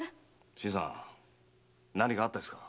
新さん何かあったんですか？